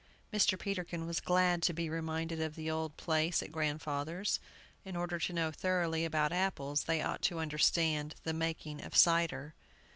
Mr. Peterkin was glad to be reminded of the old place at grandfather's. In order to know thoroughly about apples, they ought to understand the making of cider.